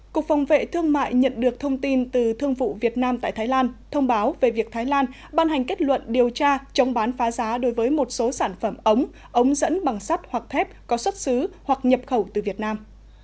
cục phòng vệ thương mại nhận được thông tin từ thương vụ việt nam tại thái lan thông báo về việc thái lan ban hành kết luận điều tra chống bán phá giá đối với một số sản phẩm ống ống dẫn bằng sắt hoặc thép có xuất xứ hoặc nhập khẩu từ việt nam